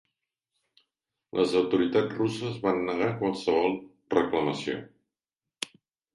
Les autoritats russes van negar qualsevol reclamació.